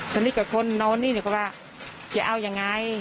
เพราะว่าก็นอนในนี่ก็ว่าจะเอายังไง